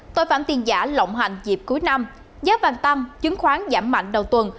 tội phản tiền giả lộng hành dịp cuối năm giá vàng tăm chứng khoán giảm mạnh đầu tuần